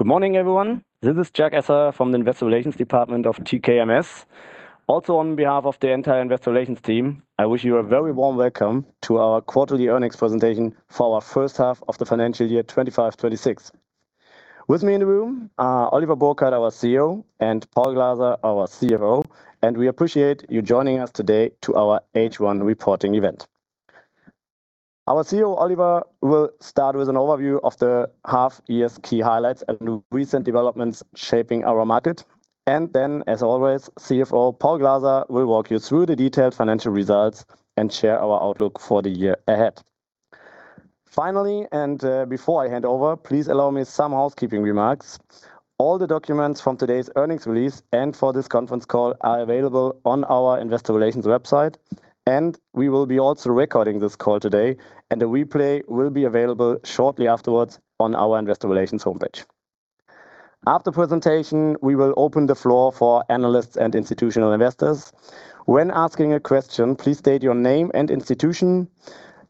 Good morning, everyone. This is Jacques Esser from the Investor Relations Department of TKMS. On behalf of the entire investor relations team, I wish you a very warm welcome to our quarterly earnings presentation for our H1 of the financial year 2025, 2026. With me in the room, Oliver Burkhard, our CEO, and Paul Glaser, our CFO. We appreciate you joining us today to our H1 reporting event. Our CEO, Oliver, will start with an overview of the half year's key highlights and recent developments shaping our market. As always, CFO Paul Glaser will walk you through the detailed financial results and share our outlook for the year ahead. Finally, before I hand over, please allow me some housekeeping remarks. All the documents from today's earnings release and for this conference call are available on our investor relations website, and we will be also recording this call today, and the replay will be available shortly afterwards on our investor relations homepage. After presentation, we will open the floor for analysts and institutional investors. When asking a question, please state your name and institution,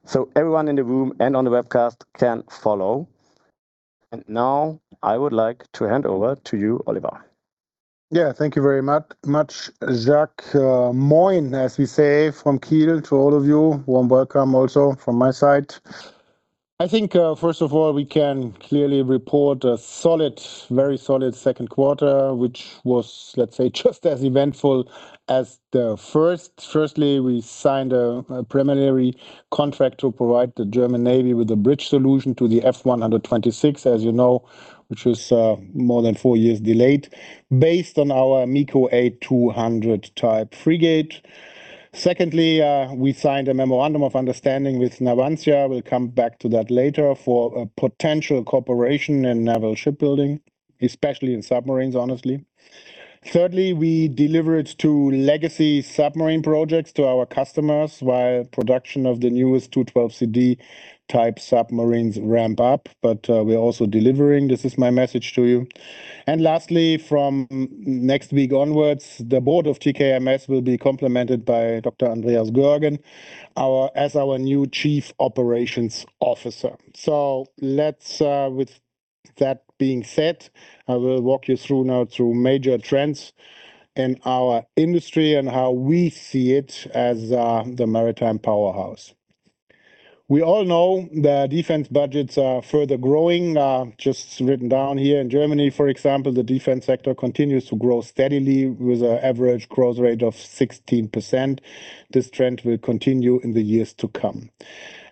so everyone in the room and on the webcast can follow. Now I would like to hand over to you, Oliver. Thank you very much, Jacques. Moin, as we say from Kiel to all of you. Warm welcome also from my side. I think, first of all, we can clearly report a solid, very solid Q2, which was, let's say, just as eventful as the first. Firstly, we signed a preliminary contract to provide the German Navy with a bridge solution to the F-126, as you know, which was more than four years delayed based on our MEKO A-200 type frigate. Secondly, we signed a memorandum of understanding with Navantia, we'll come back to that later, for a potential cooperation in naval shipbuilding, especially in submarines, honestly. Thirdly, we delivered two legacy submarine projects to our customers while production of the newest 212CD type submarines ramp up. We're also delivering. This is my message to you. Lastly, from next week onwards, the board of TKMS will be complemented by Dr. Andreas Görgen as our new Chief Operations Officer. Let's With that being said, I will walk you through now through major trends in our industry and how we see it as the maritime powerhouse. We all know that defense budgets are further growing. Just written down here in Germany, for example, the defense sector continues to grow steadily with an average growth rate of 16%. This trend will continue in the years to come.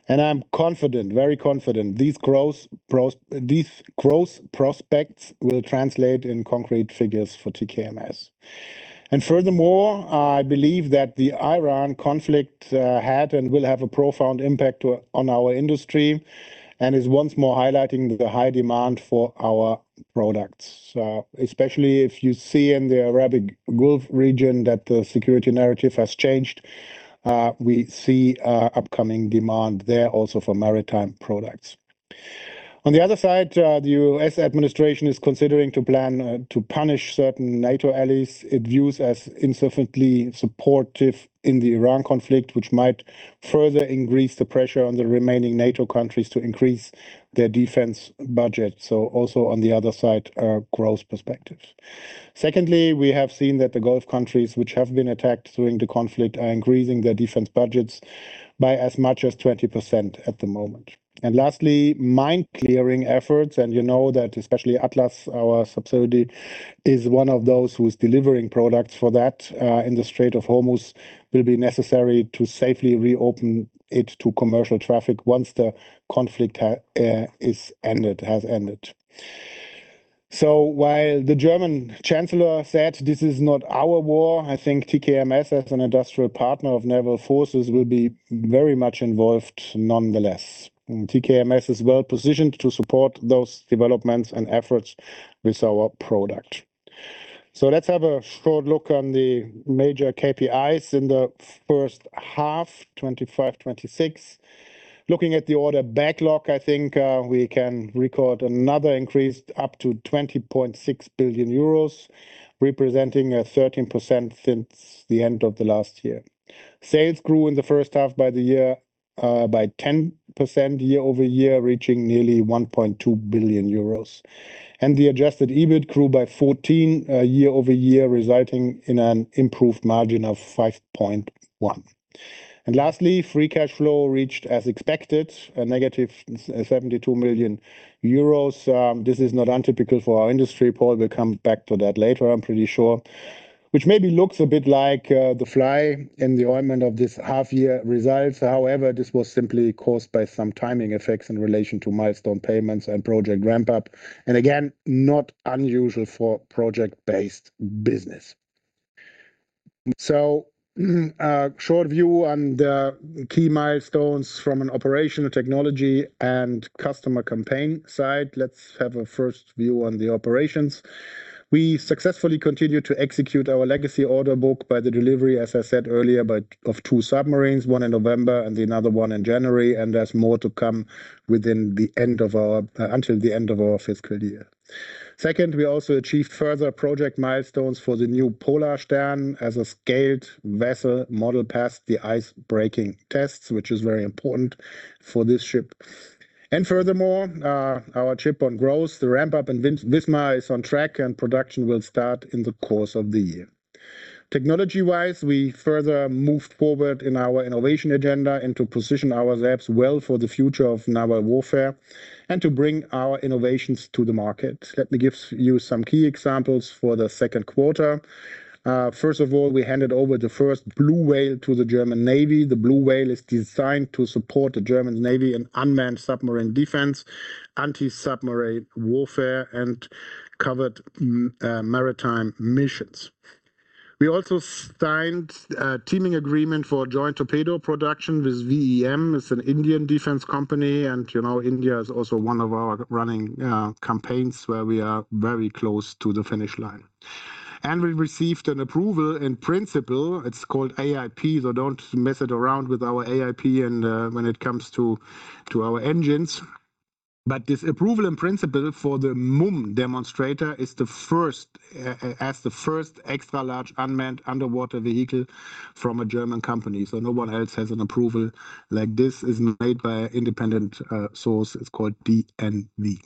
I'm confident, very confident, these growth prospects will translate in concrete figures for TKMS. Furthermore, I believe that the Iran conflict had and will have a profound impact on our industry and is once more highlighting the high demand for our products, especially if you see in the Arabic Gulf region that the security narrative has changed. We see upcoming demand there also for maritime products. On the other side, the U.S. administration is considering to plan to punish certain NATO allies it views as insufficiently supportive in the Iran conflict, which might further increase the pressure on the remaining NATO countries to increase their defense budget, so also on the other side, growth perspectives. Secondly, we have seen that the Gulf countries which have been attacked during the conflict are increasing their defense budgets by as much as 20% at the moment. Lastly, mine clearing efforts, and you know that especially Atlas, our subsidiary, is one of those who is delivering products for that, in the Strait of Hormuz, will be necessary to safely reopen it to commercial traffic once the conflict is ended, has ended. While the German chancellor said, "This is not our war," I think TKMS, as an industrial partner of naval forces, will be very much involved nonetheless. TKMS is well-positioned to support those developments and efforts with our product. Let's have a short look on the major KPIs in the H1, 25, 26. Looking at the order backlog, I think, we can record another increase up to 20.6 billion euros, representing a 13% since the end of the last year. Sales grew in the H1 by the year, by 10% year-over-year, reaching nearly 1.2 billion euros. The adjusted EBIT grew by 14% year-over-year, resulting in an improved margin of 5.1%. Lastly, free cash flow reached, as expected, a negative 72 million euros. This is not untypical for our industry. Paul will come back to that later, I'm pretty sure. Which maybe looks a bit like the fly in the ointment of this half year results. However, this was simply caused by some timing effects in relation to milestone payments and project ramp-up, and again, not unusual for project-based business. A short view on the key milestones from an operational technology and customer campaign side. Let's have a first view on the operations. We successfully continued to execute our legacy order book by the delivery, as I said earlier, of two submarines, one in November and another one in January, and there's more to come within the end of our until the end of our fiscal year. We also achieved further project milestones for the Neue Polarstern as a scaled vessel model passed the ice-breaking tests, which is very important for this ship. Furthermore, our chip on growth, the ramp-up in Wismar is on track and production will start in the course of the year. Technology-wise, we further moved forward in our innovation agenda and to position our labs well for the future of naval warfare and to bring our innovations to the market. Let me give you some key examples for the Q2. First of all, we handed over the first BlueWhale to the German Navy. The BlueWhale is designed to support the German Navy in unmanned submarine defense, anti-submarine warfare, and covert maritime missions. We also signed a teaming agreement for a joint torpedo production with VEM. It's an Indian defense company, you know, India is also one of our running campaigns where we are very close to the finish line. We received an approval in principle. It's called AIP, so don't mess it around with our AIP when it comes to our engines. This approval in principle for the MUM demonstrator is the first as the first extra large unmanned underwater vehicle from a German company. No one else has an approval like this. It's made by an independent source. It's called DNV.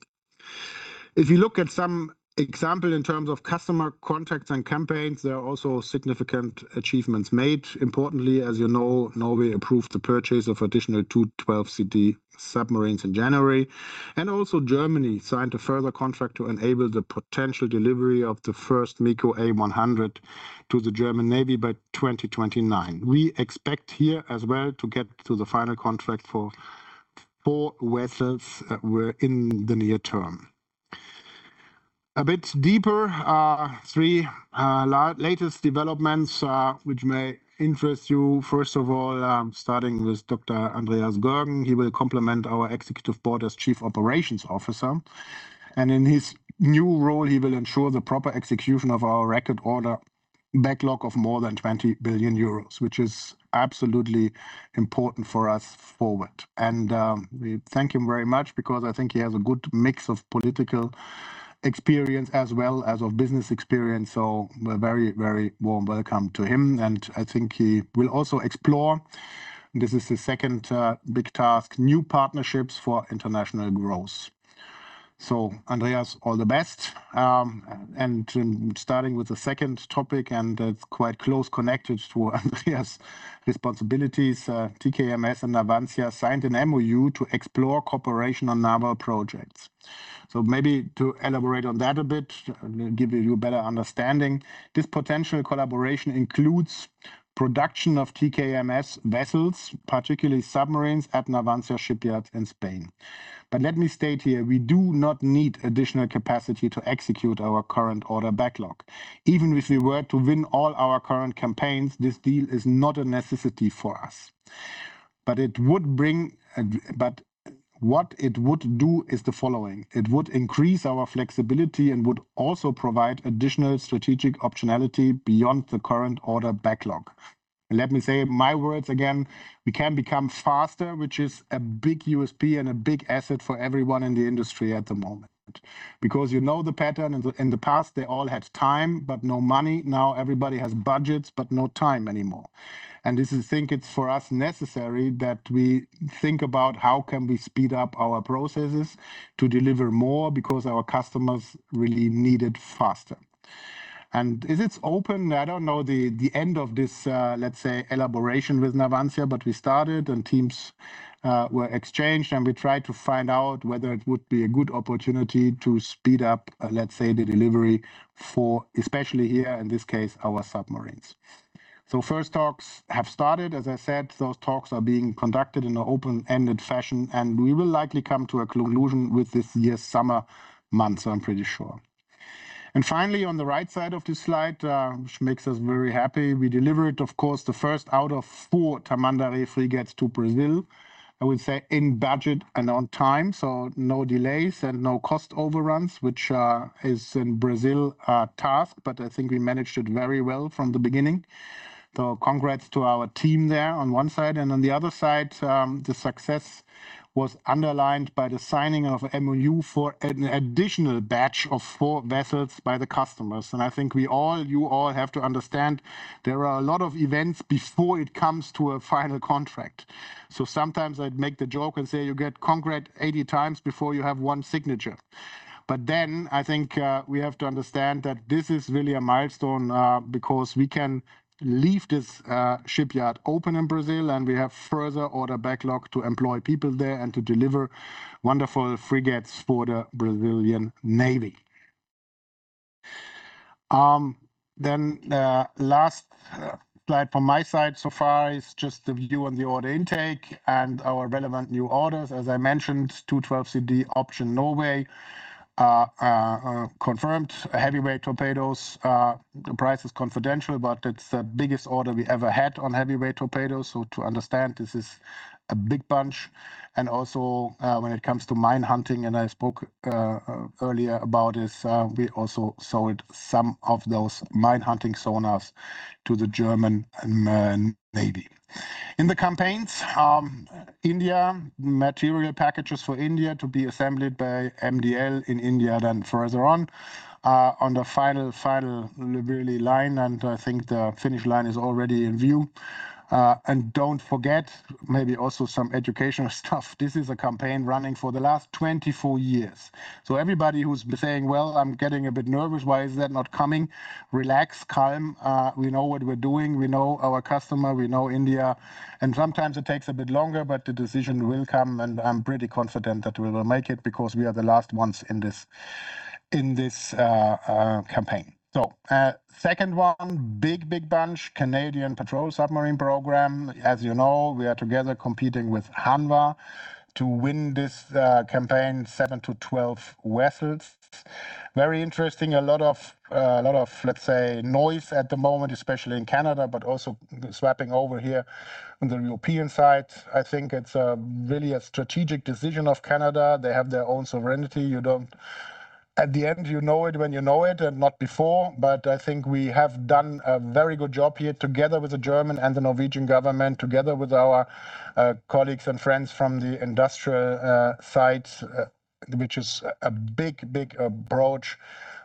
If you look at some example in terms of customer contacts and campaigns, there are also significant achievements made. Importantly, as you know, Norway approved the purchase of additional two Type 212CD submarines in January. Also Germany signed a further contract to enable the potential delivery of the first MEKO A-100 to the German Navy by 2029. We expect here as well to get to the final contract for four vessels in the near term. A bit deeper, three latest developments which may interest you. First of all, starting with Dr. Andreas Görgen. He will complement our executive board as Chief Operations Officer. In his new role, he will ensure the proper execution of our record order backlog of more than 20 billion euros, which is absolutely important for us forward. We thank him very much because I think he has a good mix of political experience as well as of business experience. A very, very warm welcome to him. I think he will also explore, this is the second big task, new partnerships for international growth. Andreas, all the best. Starting with the second topic, and it's quite close connected to Andreas' responsibilities, TKMS and Navantia signed an MoU to explore cooperation on naval projects. Maybe to elaborate on that a bit, give you a better understanding. This potential collaboration includes production of TKMS vessels, particularly submarines, at Navantia shipyard in Spain. Let me state here, we do not need additional capacity to execute our current order backlog. Even if we were to win all our current campaigns, this deal is not a necessity for us. What it would do is the following. It would increase our flexibility and would also provide additional strategic optionality beyond the current order backlog. Let me say my words again. We can become faster, which is a big USP and a big asset for everyone in the industry at the moment. You know the pattern. In the past, they all had time, but no money. Now everybody has budgets, but no time anymore. This is, I think it's for us necessary that we think about how can we speed up our processes to deliver more, because our customers really need it faster. Is it open? I don't know the end of this, let's say, elaboration with Navantia, but we started and teams were exchanged, and we tried to find out whether it would be a good opportunity to speed up, let's say, the delivery for, especially here in this case, our submarines. First talks have started. As I said, those talks are being conducted in an open-ended fashion, and we will likely come to a conclusion with this year's summer months, I'm pretty sure. Finally, on the right side of this slide, which makes us very happy, we delivered, of course, the first out of four Tamandaré frigates to Brazil, I would say in budget and on time. No delays and no cost overruns, which is in Brazil a task, but I think we managed it very well from the beginning. Congrats to our team there on one side. On the other side, the success was underlined by the signing of MoU for an additional batch of four vessels by the customers. I think we all, you all have to understand there are a lot of events before it comes to a final contract. Sometimes I'd make the joke and say, "You get congrat 80 times before you have one signature." I think we have to understand that this is really a milestone, because we can leave this shipyard open in Brazil, and we have further order backlog to employ people there and to deliver wonderful frigates for the Brazilian Navy. Last slide from my side so far is just the view on the order intake and our relevant new orders. As I mentioned, Type 212CD option Norway confirmed. Heavyweight torpedoes, the price is confidential, but it's the biggest order we ever had on heavyweight torpedoes. To understand, this is a big bunch. Also, when it comes to mine hunting, and I spoke earlier about this, we also sold some of those mine hunting sonars to the German Navy. In the campaigns, India, material packages for India to be assembled by MDL in India then further on the final literally line. I think the finish line is already in view. Don't forget, maybe also some educational stuff. This is a campaign running for the last 24 years. Everybody who's been saying, "Well, I'm getting a bit nervous. Why is that not coming?" Relax, calm. We know what we're doing. We know our customer. We know India. Sometimes it takes a bit longer, but the decision will come, and I'm pretty confident that we will make it because we are the last ones in this campaign. Second one, big bunch, Canadian Patrol Submarine Project. As you know, we are together competing with Hanwha to win this campaign, 7 to 12 vessels. Very interesting. A lot of, let's say, noise at the moment, especially in Canada, but also swapping over here on the European side. I think it's really a strategic decision of Canada. They have their own sovereignty. At the end, you know it when you know it and not before. I think we have done a very good job here together with the German and the Norwegian government, together with our colleagues and friends from the industrial side, which is a big approach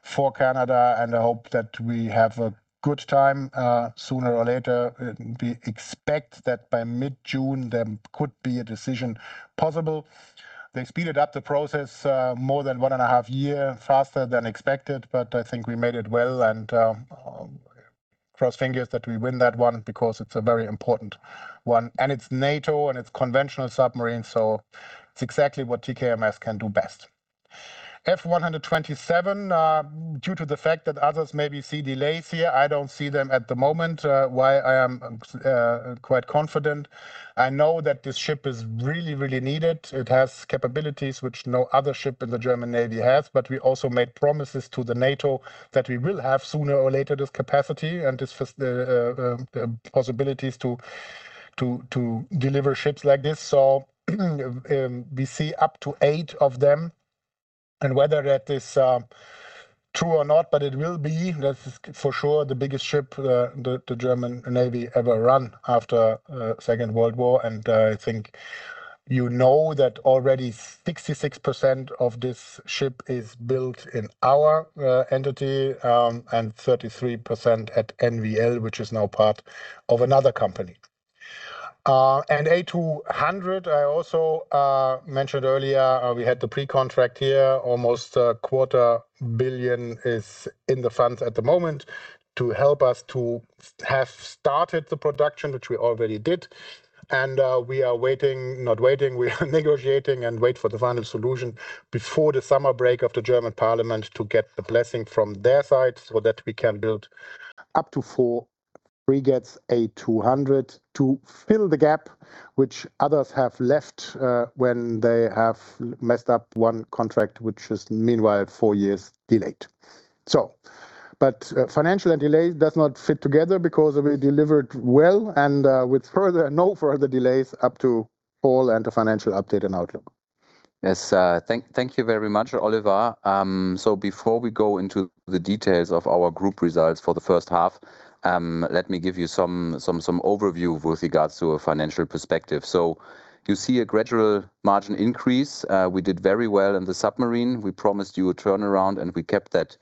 for Canada, and I hope that we have a good time sooner or later. We expect that by mid-June, there could be a decision possible. They speeded up the process more than one and a half year faster than expected, but I think we made it well. Cross fingers that we win that one because it's a very important one. It's NATO, and it's conventional submarines, so it's exactly what TKMS can do best. F127, due to the fact that others maybe see delays here, I don't see them at the moment, why I am quite confident. I know that this ship is really, really needed. It has capabilities which no other ship in the German Navy has, but we also made promises to NATO that we will have sooner or later this capacity and this possibilities to deliver ships like this. We see up to eight of them, and whether that is true or not, but it will be, that's for sure, the biggest ship the German Navy ever run after Second World War. I think you know that already 66% of this ship is built in our entity, and 33% at NVL, which is now part of another company. A200, I also mentioned earlier, we had the pre-contract here. Almost 1/4 billion EUR is in the fund at the moment to help us to have started the production, which we already did, and we are negotiating and wait for the final solution before the summer break of the German Parliament to get the blessing from their side so that we can build up to four frigates A200 to fill the gap which others have left when they have messed up one contract, which is meanwhile four years delayed. But financial and delay does not fit together because we delivered well and no further delays up to Paul and the financial update and outlook. Yes. Thank you very much, Oliver. Before we go into the details of our group results for the H1, let me give you some overview with regards to a financial perspective. You see a gradual margin increase. We did very well in the submarine. We promised you a turnaround, we kept that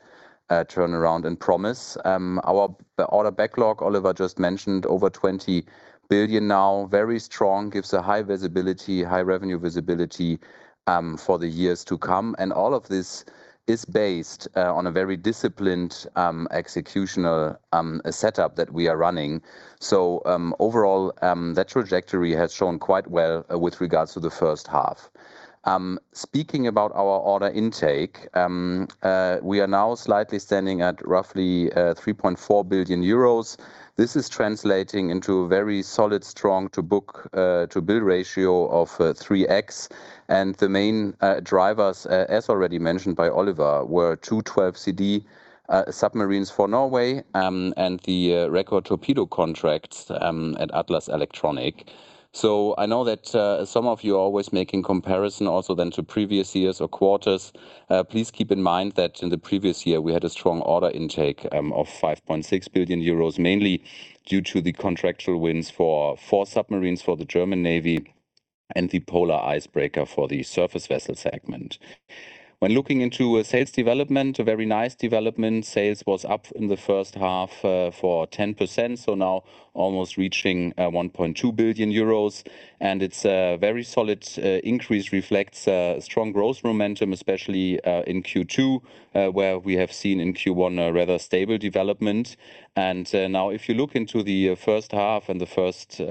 turnaround and promise. Our backlog, Oliver just mentioned, over 20 billion now. Very strong. Gives a high visibility, high revenue visibility for the years to come. All of this is based on a very disciplined executional setup that we are running. Overall, that trajectory has shown quite well with regards to the H1. Speaking about our order intake, we are now slightly standing at roughly 3.4 billion euros. This is translating into a very solid, strong to book to bill ratio of 3x, and the main drivers, as already mentioned by Oliver, were Type 212CD submarines for Norway, and the record torpedo contracts at Atlas Elektronik. I know that some of you are always making comparison also then to previous years or quarters. Please keep in mind that in the previous year, we had a strong order intake of 5.6 billion euros, mainly due to the contractual wins for four submarines for the German Navy and the polar icebreaker for the surface vessel segment. When looking into sales development, a very nice development. Sales was up in the H1 for 10%, now almost reaching 1.2 billion euros, and it's a very solid increase. Reflects a strong growth momentum, especially in Q2, where we have seen in Q1 a rather stable development. Now if you look into the H1 and the first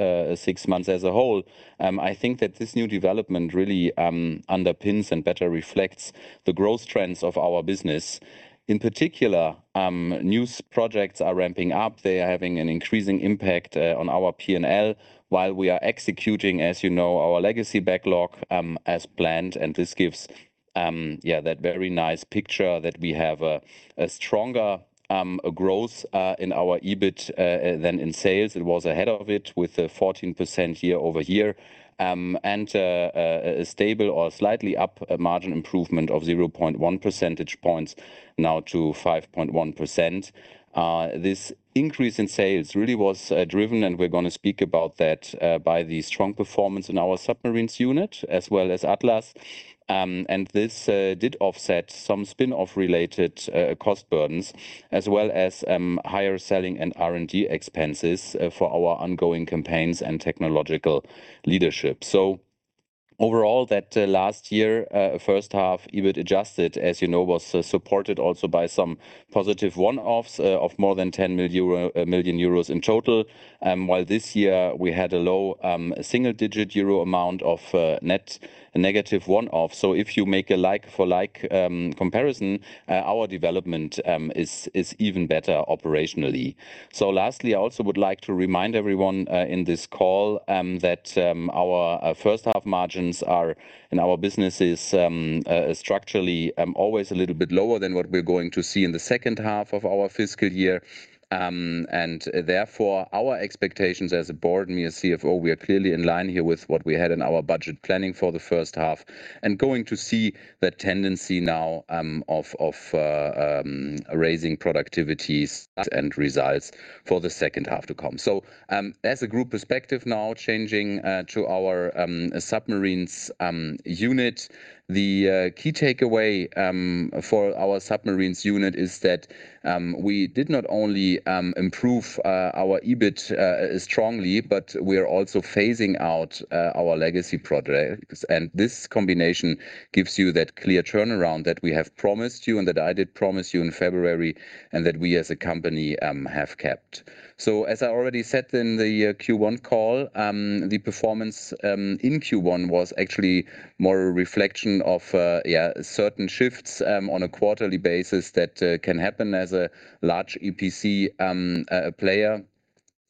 six months as a whole, I think that this new development really underpins and better reflects the growth trends of our business. In particular, new projects are ramping up. They are having an increasing impact on our P&L while we are executing, as you know, our legacy backlog as planned, and this gives, yeah, that very nice picture that we have a stronger growth in our EBIT than in sales. It was ahead of it with a 14% year-over-year, and a stable or slightly up margin improvement of 0.1 percentage points now to 5.1%. This increase in sales really was driven, and we're gonna speak about that, by the strong performance in our submarines unit as well as Atlas. And this did offset some spin-off related cost burdens as well as higher selling and R&D expenses for our ongoing campaigns and technological leadership. Overall, that last year, H1 EBIT adjusted, as you know, was supported also by some positive one-offs of more than 10 million euro EUR in total, while this year we had a low single-digit EUR amount of net negative one-off. If you make a like for like comparison, our development is even better operationally. Lastly, I also would like to remind everyone in this call that our H1 margins are in our businesses structurally always a little bit lower than what we're going to see in the H2 of our fiscal year. Therefore, our expectations as a board and me as CFO, we are clearly in line here with what we had in our budget planning for the H1 and going to see that tendency now of raising productivities and results for the H2 to come. As a group perspective now changing to our submarines unit, the key takeaway for our submarines unit is that we did not only improve our EBIT strongly, but we are also phasing out our legacy projects. This combination gives you that clear turnaround that we have promised you and that I did promise you in February and that we as a company have kept. As I already said in the Q1 call, the performance in Q1 was actually more a reflection of certain shifts on a quarterly basis that can happen as a large EPC player.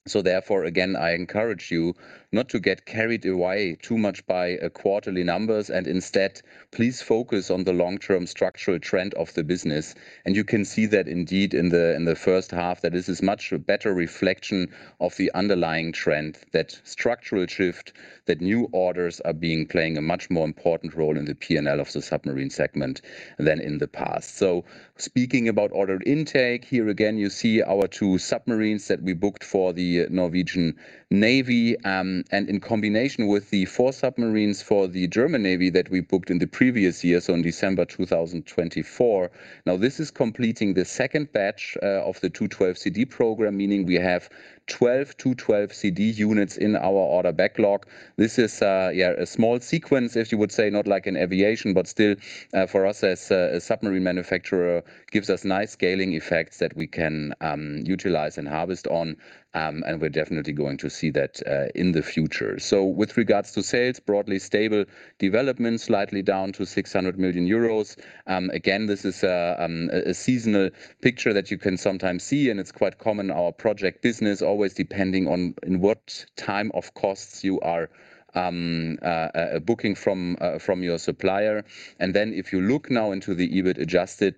Therefore, again, I encourage you not to get carried away too much by quarterly numbers and instead please focus on the long-term structural trend of the business. You can see that indeed in the H1 that this is much a better reflection of the underlying trend, that structural shift, that new orders are being playing a much more important role in the P&L of the submarine segment than in the past. Speaking about order intake, here again, you see our two submarines that we booked for the Norwegian Navy, and in combination with the four submarines for the German Navy that we booked in the previous years on December, 2024. This is completing the second batch of the Type 212CD program, meaning we have 12 Type 212CD units in our order backlog. This is, yeah, a small sequence, if you would say, not like in aviation, but still, for us as a submarine manufacturer gives us nice scaling effects that we can utilize and harvest on, and we're definitely going to see that in the future. With regards to sales, broadly stable development, slightly down to 600 million euros. Again, this is a seasonal picture that you can sometimes see, and it's quite common our project business always depending on in what time of costs you are booking from your supplier. If you look now into the EBIT-adjusted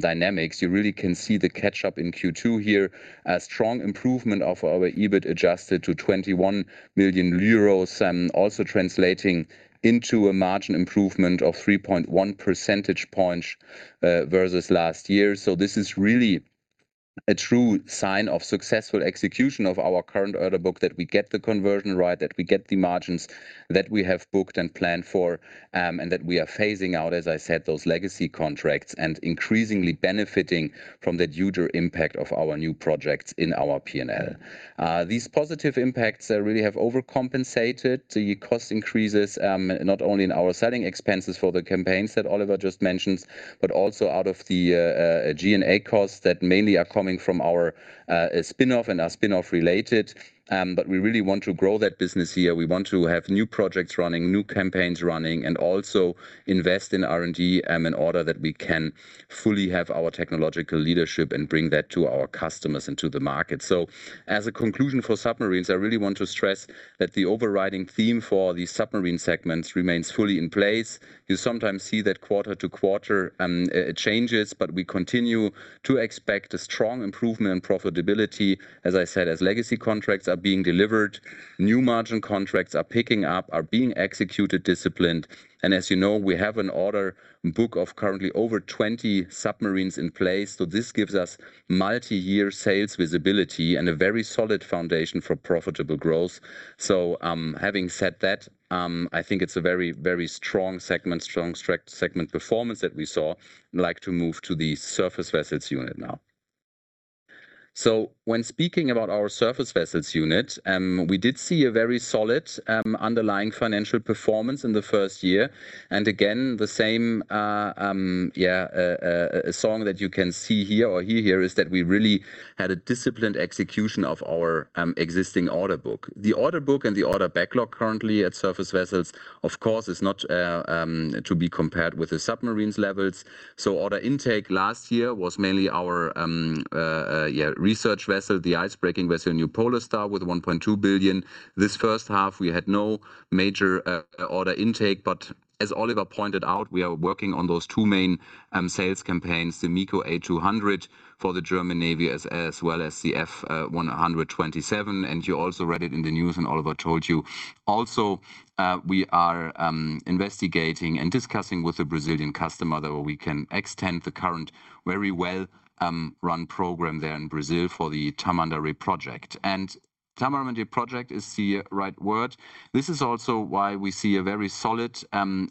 dynamics, you really can see the catch-up in Q2 here, a strong improvement of our EBIT-adjusted to 21 million euros, also translating into a margin improvement of 3.1 percentage points versus last year. This is really a true sign of successful execution of our current order book that we get the conversion right, that we get the margins that we have booked and planned for, and that we are phasing out, as I said, those legacy contracts and increasingly benefiting from that huge impact of our new projects in our P&L. These positive impacts really have overcompensated the cost increases, not only in our selling expenses for the campaigns that Oliver just mentioned, but also out of the G&A costs that mainly are coming from our spinoff and are spinoff related. We really want to grow that business here. We want to have new projects running, new campaigns running, and also invest in R&D, in order that we can fully have our technological leadership and bring that to our customers and to the market. As a conclusion for submarines, I really want to stress that the overriding theme for the submarine segments remains fully in place. You sometimes see that quarter to quarter changes, we continue to expect a strong improvement in profitability, as I said, as legacy contracts are being delivered, new margin contracts are picking up, are being executed, disciplined. As you know, we have an order book of currently over 20 submarines in place. This gives us multiyear sales visibility and a very solid foundation for profitable growth. Having said that, I think it's a very strong segment performance that we saw. I'd like to move to the surface vessels unit now. When speaking about our surface vessels unit, we did see a very solid underlying financial performance in the first year. Again, the same song that you can see here or hear here is that we really had a disciplined execution of our existing order book. The order book and the order backlog currently at surface vessels, of course, is not to be compared with the submarines levels. Order intake last year was mainly our research vessel, the icebreaking vessel, Neue Polarstern, with 1.2 billion. This H1, we had no major order intake, but as Oliver pointed out, we are working on those two main sales campaigns, the MEKO A-200 for the German Navy, as well as the F127. You also read it in the news, and Oliver told you also, we are investigating and discussing with the Brazilian Navy whether we can extend the current very well run program there in Brazil for the Tamandaré project. Tamandaré project is the right word. This is also why we see a very solid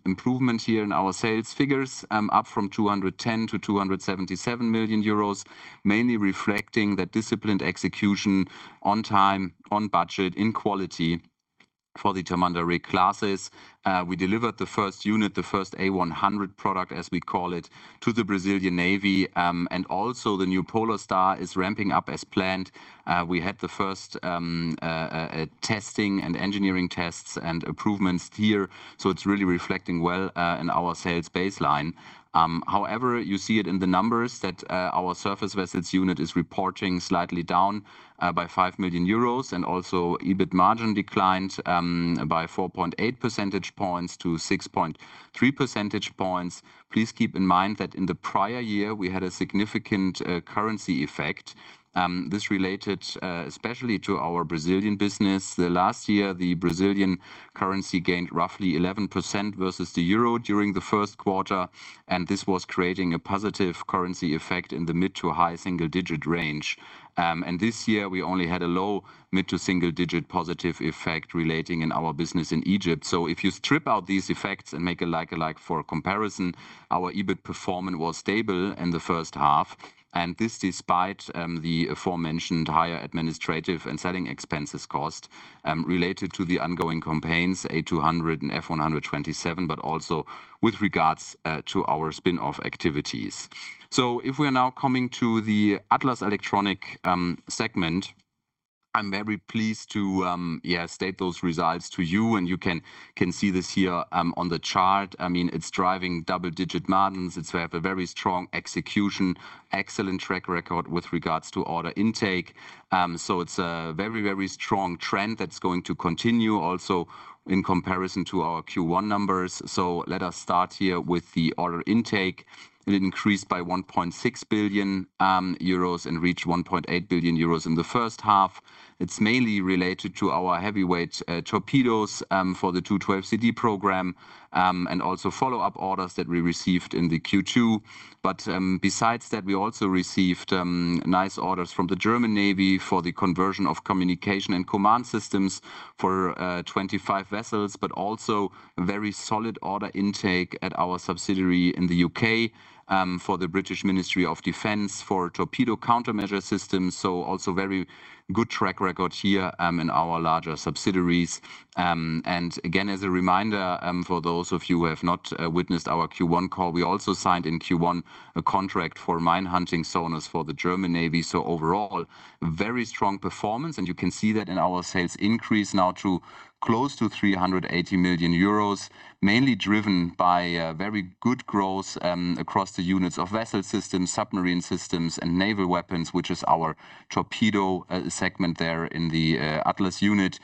improvement here in our sales figures, up from 210 to 277 million euros, mainly reflecting that disciplined execution on time, on budget, in quality. For the Tamandaré classes, we delivered the first unit, the first MEKO A-100 product as we call it, to the Brazilian Navy. Also the Neue Polarstern is ramping up as planned. We had the first testing and engineering tests and improvements here, so it's really reflecting well in our sales baseline. However, you see it in the numbers that our surface vessels unit is reporting slightly down by 5 million euros and also EBIT margin declined by 4.8 percentage points to 6.3 percentage points. Please keep in mind that in the prior year we had a significant currency effect. This related especially to our Brazilian business. The last year, the Brazilian currency gained roughly 11% versus the euro during the Q1, and this was creating a positive currency effect in the mid to high single-digit range. This year we only had a low mid to single-digit positive effect relating in our business in Egypt. If you strip out these effects and make a like-for-like comparison, our EBIT performance was stable in the H1, and this despite the aforementioned higher administrative and selling expenses cost related to the ongoing campaigns, A200 and F127, but also with regards to our spin-off activities. If we are now coming to the Atlas Elektronik segment, I'm very pleased to state those results to you, and you can see this here on the chart. I mean, it's driving double-digit margins. We have a very strong execution, excellent track record with regards to order intake. It's a very strong trend that's going to continue also in comparison to our Q1 numbers. Let us start here with the order intake. It increased by 1.6 billion euros and reached 1.8 billion euros in the H1. It's mainly related to our heavyweight torpedoes for the Type 212CD program and also follow-up orders that we received in the Q2. Besides that, we also received nice orders from the German Navy for the conversion of communication and command systems for 25 vessels, also very solid order intake at our subsidiary in the U.K. for the British Ministry of Defence for torpedo countermeasure systems. Also very good track record here in our larger subsidiaries. Again, as a reminder, for those of you who have not witnessed our Q1 call, we also signed in Q1 a contract for mine hunting sonars for the German Navy. Overall, very strong performance, and you can see that in our sales increase now to close to 380 million euros, mainly driven by very good growth across the units of vessel systems, submarine systems, and naval weapons, which is our torpedo segment there in the Atlas unit.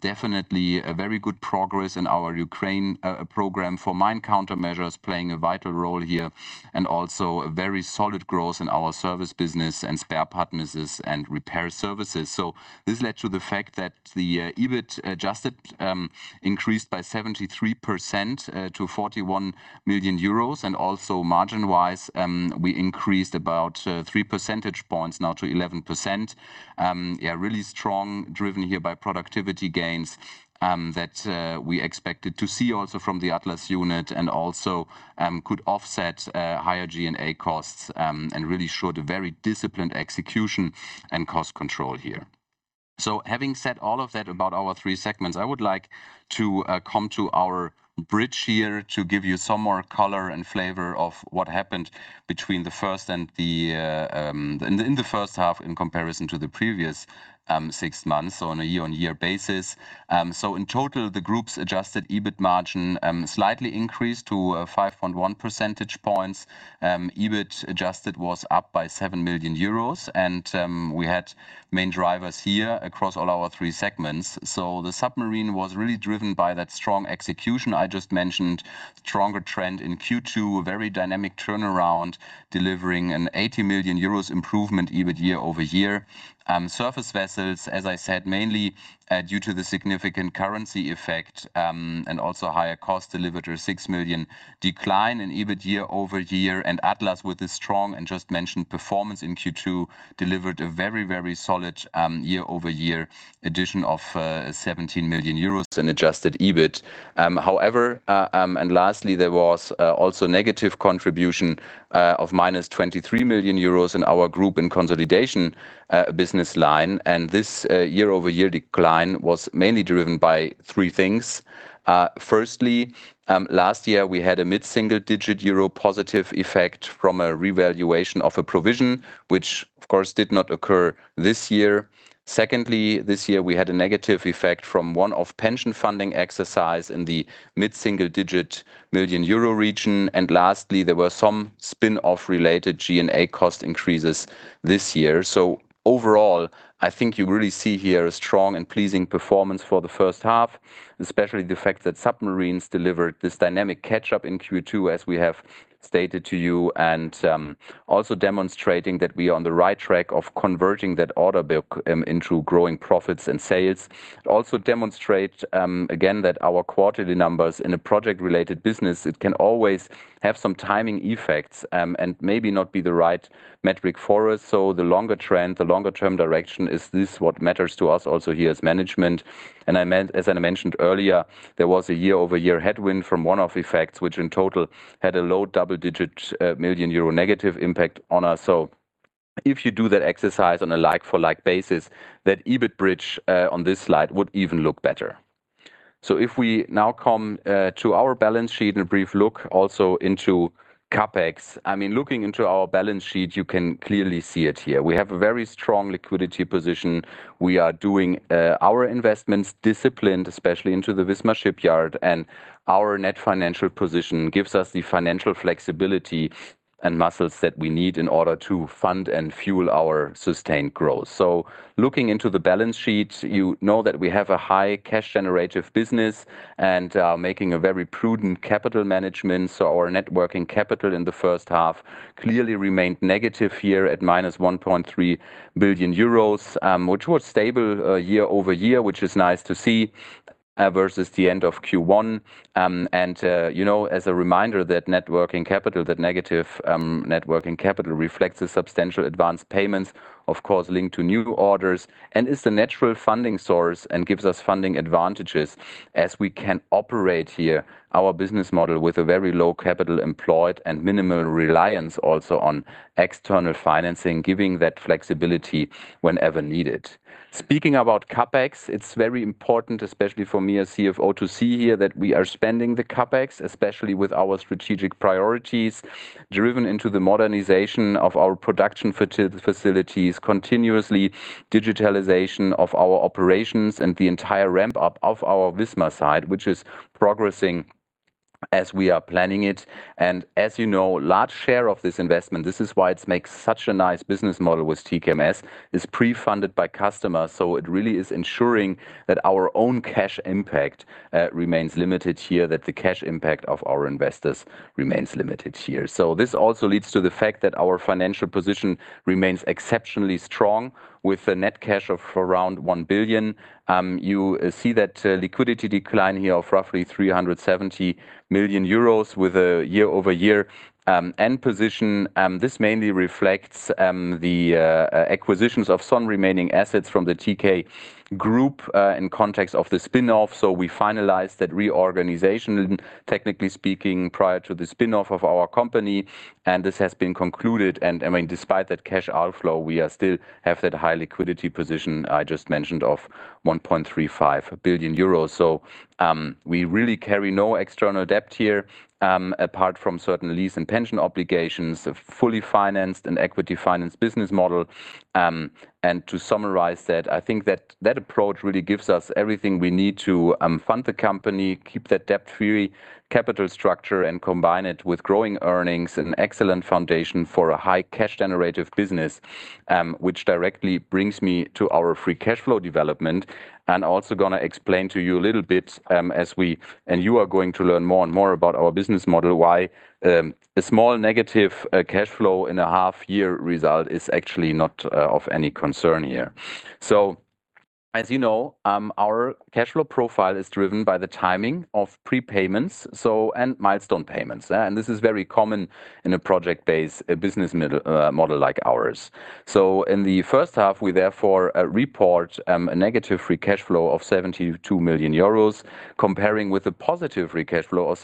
Definitely a very good progress in our Ukraine program for mine countermeasures playing a vital role here, and also a very solid growth in our service business and spare part business and repair services. This led to the fact that the EBIT adjusted increased by 73% to 41 million euros, and also margin-wise, we increased about 3 percentage points now to 11%. Really strong, driven here by productivity gains, that we expected to see also from the Atlas unit and also could offset higher G&A costs, and really showed a very disciplined execution and cost control here. Having said all of that about our three segments, I would like to come to our bridge here to give you some more color and flavor of what happened between the first and the in the H1 in comparison to the previous six months, so on a year-on-year basis. In total, the group's adjusted EBIT margin slightly increased to 5.1 percentage points. EBIT adjusted was up by 7 million euros and we had main drivers here across all our three segments. The submarine was really driven by that strong execution I just mentioned, stronger trend in Q2, a very dynamic turnaround, delivering an 80 million euros improvement EBIT year-over-year. Surface vessels, as I said, mainly due to the significant currency effect, and also higher cost delivered a 6 million decline in EBIT year-over-year. Atlas, with a strong and just mentioned performance in Q2, delivered a very, very solid year-over-year addition of 17 million euros in adjusted EBIT. However, there was also negative contribution of minus 23 million euros in our group in consolidation business line. This year-over-year decline was mainly driven by three things. Firstly, last year we had a mid-single digit EUR positive effect from a revaluation of a provision, which of course did not occur this year. Secondly, this year we had a negative effect from one-off pension funding exercise in the mid-single digit million EUR region. Lastly, there were some spin-off related G&A cost increases this year. Overall, I think you really see here a strong and pleasing performance for the H1, especially the fact that submarines delivered this dynamic catch-up in Q2, as we have stated to you, and also demonstrating that we are on the right track of converting that order book into growing profits and sales. It also demonstrate again that our quarterly numbers in a project-related business, it can always have some timing effects, and maybe not be the right metric for us. The longer trend, the longer-term direction is this what matters to us also here as management. As I mentioned earlier, there was a year-over-year headwind from one-off effects, which in total had a low double-digit million euro negative impact on us. If you do that exercise on a like-for-like basis, that EBIT bridge on this slide would even look better. If we now come to our balance sheet and a brief look also into CapEx, I mean, looking into our balance sheet, you can clearly see it here. We have a very strong liquidity position. We are doing our investments disciplined, especially into the Wismar shipyard, and our net financial position gives us the financial flexibility and muscles that we need in order to fund and fuel our sustained growth. Looking into the balance sheet, you know that we have a high cash generative business and making a very prudent capital management. Our net working capital in the H1 clearly remained negative here at minus 1.3 billion euros, which was stable year-over-year, which is nice to see versus the end of Q1. As a reminder that net working capital, that negative net working capital reflects the substantial advanced payments, of course, linked to new orders and is the natural funding source and gives us funding advantages as we can operate here our business model with a very low capital employed and minimal reliance also on external financing, giving that flexibility whenever needed. Speaking about CapEx, it's very important, especially for me as CFO, to see here that we are spending the CapEx, especially with our strategic priorities driven into the modernization of our production facilities, continuously digitalization of our operations, and the entire ramp-up of our Wismar side, which is progressing as we are planning it. As you know, large share of this investment, this is why it makes such a nice business model with TKMS, is pre-funded by customers, so it really is ensuring that our own cash impact remains limited here, that the cash impact of our investors remains limited here. This also leads to the fact that our financial position remains exceptionally strong with a net cash of around 1 billion. You see that liquidity decline here of roughly 370 million euros with a year-over-year end position. This mainly reflects the acquisitions of some remaining assets from the TK Group in context of the spin-off. We finalized that reorganization, technically speaking, prior to the spin-off of our company, and this has been concluded. I mean, despite that cash outflow, we are still have that high liquidity position I just mentioned of 1.35 billion euros. We really carry no external debt here, apart from certain lease and pension obligations, a fully financed and equity financed business model. To summarize that, I think that that approach really gives us everything we need to fund the company, keep that debt-free capital structure, and combine it with growing earnings and excellent foundation for a high cash generative business, which directly brings me to our free cash flow development. Also gonna explain to you a little bit, as we and you are going to learn more and more about our business model, why a small negative cash flow in a half year result is actually not of any concern here. As you know, our cash flow profile is driven by the timing of prepayments and milestone payments. This is very common in a project-based business model like ours. In the H1, we therefore report a negative free cash flow of 72 million euros comparing with a positive free cash flow of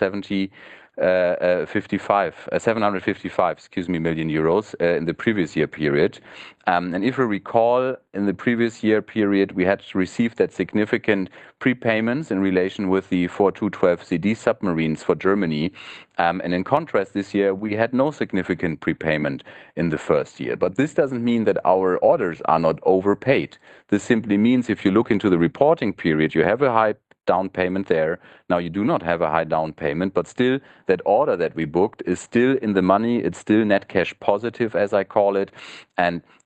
755 million euros in the previous year period. If you recall, in the previous year period, we had received that significant prepayments in relation with the four 212CD submarines for Germany. In contrast, this year we had no significant prepayment in the first year. This doesn't mean that our orders are not overpaid. This simply means if you look into the reporting period, you have a high down payment there. Now you do not have a high down payment, but still that order that we booked is still in the money. It's still net cash positive, as I call it.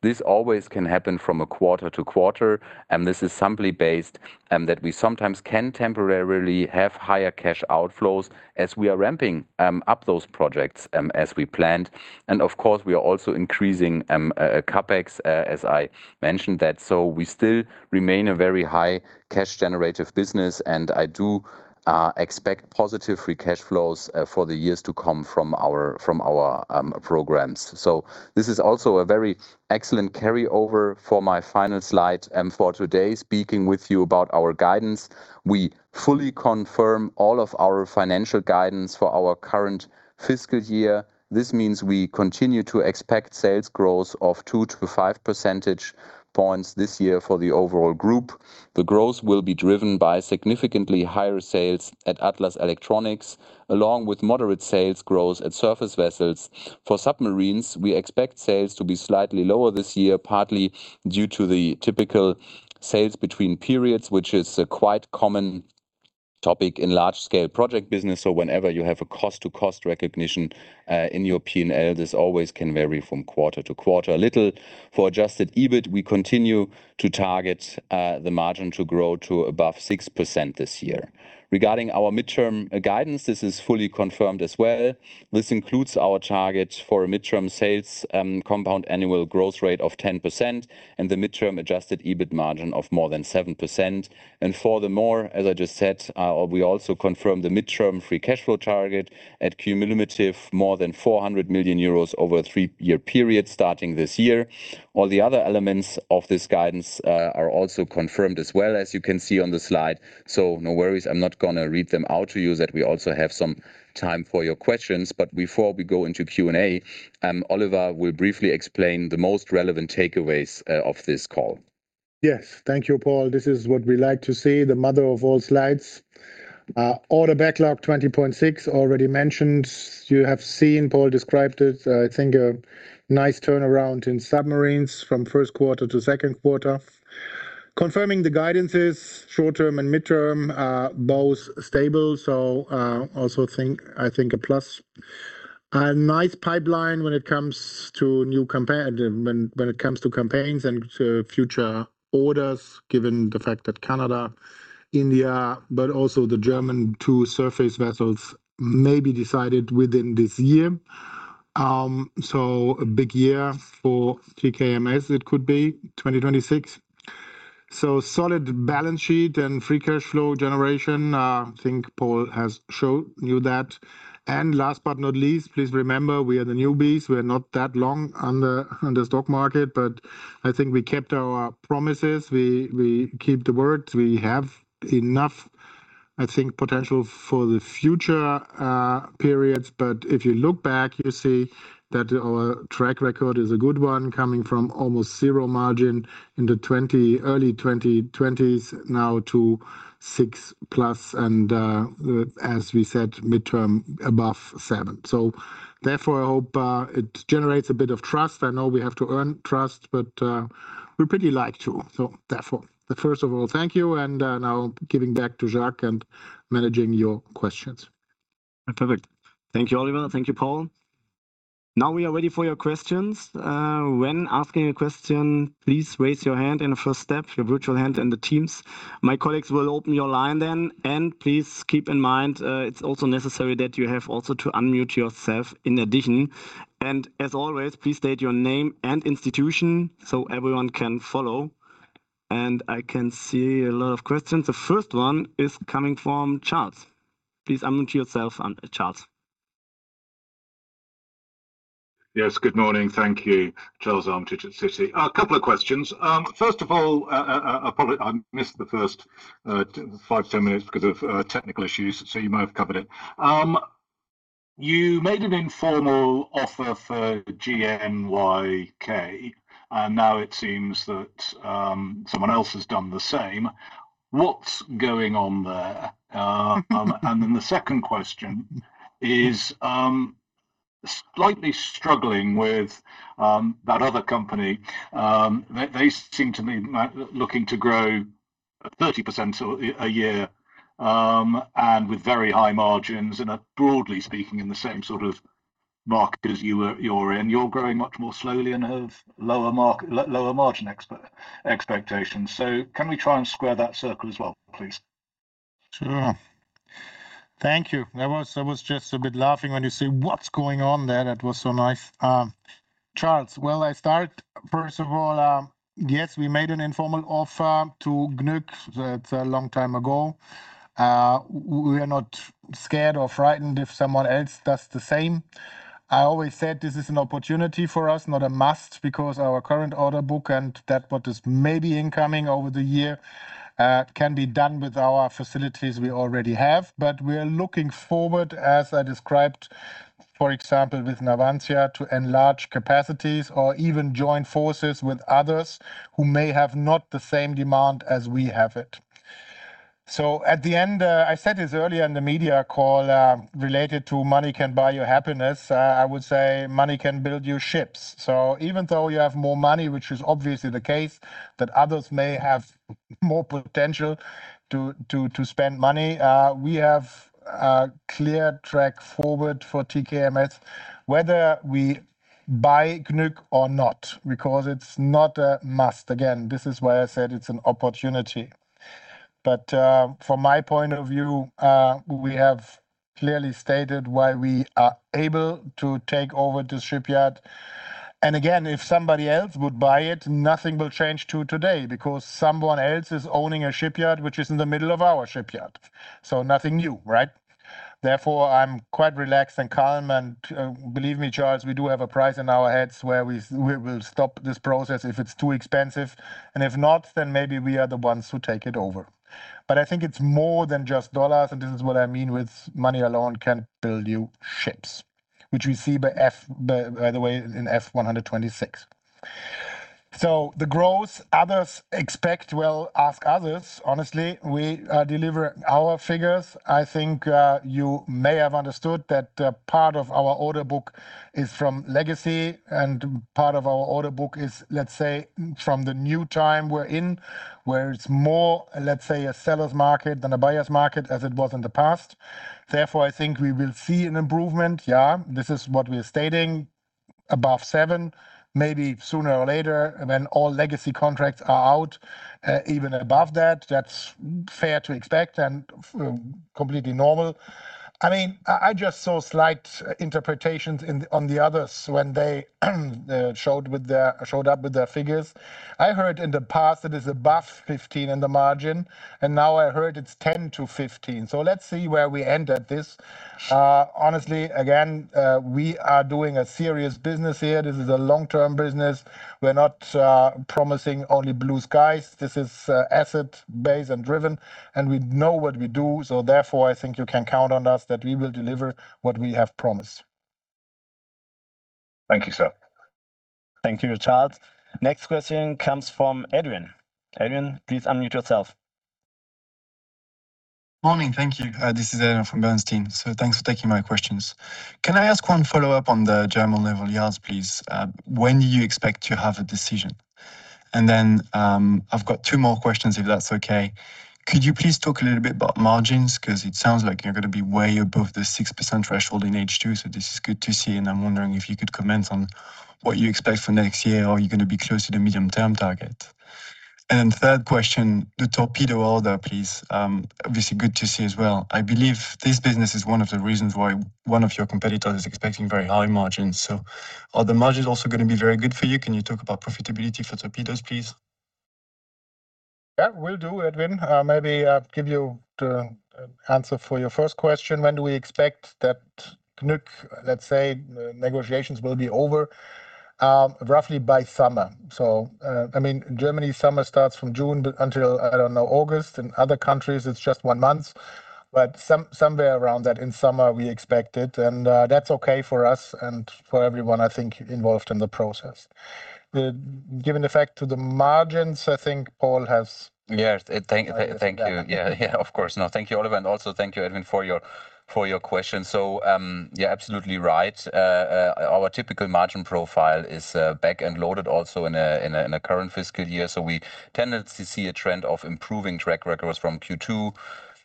This always can happen from a quarter to quarter, and this is simply based that we sometimes can temporarily have higher cash outflows as we are ramping up those projects as we planned. Of course, we are also increasing CapEx as I mentioned that. We still remain a very high cash generative business, and I do expect positive free cash flows for the years to come from our, from our programs. This is also a very excellent carryover for my final slide for today, speaking with you about our guidance. We fully confirm all of our financial guidance for our current fiscal year. This means we continue to expect sales growth of 2-5 percentage points this year for the overall group. The growth will be driven by significantly higher sales at Atlas Elektronik, along with moderate sales growth at Surface Vessels. For submarines, we expect sales to be slightly lower this year, partly due to the typical sales between periods, which is a quite common topic in large scale project business. Whenever you have a cost-to-cost recognition in your P&L, this always can vary from quarter to quarter a little. For adjusted EBIT, we continue to target the margin to grow to above 6% this year. Regarding our midterm guidance, this is fully confirmed as well. This includes our target for a midterm sales compound annual growth rate of 10% and the midterm adjusted EBIT margin of more than 7%. Furthermore, as I just said, we also confirm the midterm free cash flow target at cumulative more than 400 million euros over a three-year period starting this year. All the other elements of this guidance are also confirmed as well, as you can see on the slide. No worries, I'm not gonna read them out to you, that we also have some time for your questions. Before we go into Q&A, Oliver will briefly explain the most relevant takeaways of this call. Yes. Thank you, Paul. This is what we like to see, the mother of all slides. Order backlog 20.6, already mentioned. You have seen, Paul described it. I think a nice turnaround in submarines from Q1 to Q2. Confirming the guidances, short-term and mid-term are both stable, I think a plus. A nice pipeline when it comes to new campaign, when it comes to campaigns and to future orders, given the fact that Canada, India, but also the German two surface vessels may be decided within this year. A big year for TKMS, it could be, 2026. Solid balance sheet and free cash flow generation, I think Paul has showed you that. Last but not least, please remember we are the newbies. We are not that long on the stock market. I think we kept our promises. We keep the words. We have enough, I think, potential for the future periods. If you look back, you see that our track record is a good one, coming from almost zero margin in the early 2020s now to six-plus, and as we said, mid-term above seven. Therefore, I hope it generates a bit of trust. I know we have to earn trust, we pretty like to. Therefore, first of all, thank you, and now giving back to Jacques and managing your questions. Perfect. Thank you, Oliver. Thank you, Paul. Now we are ready for your questions. When asking a question, please raise your hand in the first step, your virtual hand in the Teams. My colleagues will open your line then. Please keep in mind, it's also necessary that you have also to unmute yourself in addition. As always, please state your name and institution so everyone can follow. I can see a lot of questions. The first one is coming from Charles. Please unmute yourself, Charles. Yes, good morning. Thank you. Charles Armitage at Citi. A couple of questions. First of all, I probably missed the first five, 10 minutes because of technical issues, so you may have covered it. You made an informal offer for GNYK, and now it seems that someone else has done the same. What's going on there? The second question is, slightly struggling with that other company, they seem to me looking to grow at 30% a year, and with very high margins and are broadly speaking in the same sort of market as you are, you're in. You're growing much more slowly and have lower margin expectations. Can we try and square that circle as well, please? Sure. Thank you. I was just a bit laughing when you say, "What's going on there?" That was so nice. Charles, well, first of all, yes, we made an informal offer to GNYK. That's a long time ago. We are not scared or frightened if someone else does the same. I always said this is an opportunity for us, not a must, because our current order book and that what is maybe incoming over the year, can be done with our facilities we already have. We are looking forward, as I described, for example, with Navantia, to enlarge capacities or even join forces with others who may have not the same demand as we have it. At the end, I said this earlier in the media call, related to money can buy you happiness. I would say money can build you ships. Even though you have more money, which is obviously the case, that others may have more potential to spend money, we have a clear track forward for TKMS whether we buy GNYK or not, because it's not a must. Again, this is why I said it's an opportunity. From my point of view, we have clearly stated why we are able to take over this shipyard. Again, if somebody else would buy it, nothing will change to today, because someone else is owning a shipyard which is in the middle of our shipyard. Nothing new, right? Therefore, I'm quite relaxed and calm. Believe me, Charles, we do have a price in our heads where we will stop this process if it's too expensive. If not, then maybe we are the ones who take it over. I think it's more than just dollars, and this is what I mean with money alone can build you ships, which we see by F, by the way, in F126. The growth others expect, well, ask others. Honestly, we deliver our figures. I think you may have understood that a part of our order book is from legacy, and part of our order book is, let's say, from the new time we're in, where it's more, let's say, a seller's market than a buyer's market as it was in the past. Therefore, I think we will see an improvement. This is what we are stating, above seven. Maybe sooner or later, when all legacy contracts are out, even above that. That's fair to expect and completely normal. I mean, I just saw slight interpretations on the others when they showed up with their figures. I heard in the past it is above 15% in the margin, and now I heard it's 10%-15%. Let's see where we end at this. Honestly, again, we are doing a serious business here. This is a long-term business. We're not promising only blue skies. This is asset base and driven, and we know what we do. Therefore, I think you can count on us that we will deliver what we have promised. Thank you, sir. Thank you, Charles. Next question comes from Edwin. Edwin, please unmute yourself. Morning. Thank you. This is Edwin from Bernstein, so thanks for taking my questions. Can I ask one follow-up on the German Naval Yards, please? When do you expect to have a decision? I've got two more questions if that's okay. Could you please talk a little bit about margins? 'Cause it sounds like you're gonna be way above the 6% threshold in H2, so this is good to see, and I'm wondering if you could comment on what you expect for next year. Are you gonna be close to the medium-term target? Third question, the torpedo order please. Obviously good to see as well. I believe this business is one of the reasons why one of your competitors is expecting very high margins. Are the margins also gonna be very good for you? Can you talk about profitability for torpedoes, please? Yeah, will do, Edwin. Maybe I'll give you the answer for your first question. When do we expect that negotiations will be over? Roughly by summer. I mean, Germany summer starts from June until, I don't know, August. In other countries it's just one month. Somewhere around that in summer we expect it, and that's okay for us and for everyone, I think, involved in the process. The Given the fact to the margins, I think Paul has Yes, thank you. ideas on that. Of course. Thank you, Oliver, and also thank you, Edwin, for your question. You're absolutely right. Our typical margin profile is back-end loaded also in a current fiscal year, we tended to see a trend of improving track records from Q2,